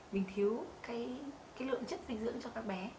mình thiếu lượng chất dinh dưỡng cho các bé